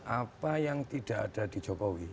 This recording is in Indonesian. apa yang tidak ada di jokowi